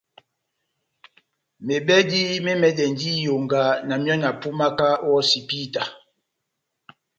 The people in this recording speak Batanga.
Mebɛdi me mɛdɛndi iyonga na miɔ na pumaka o hosipita.